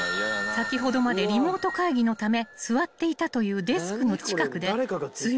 ［先ほどまでリモート会議のため座っていたという］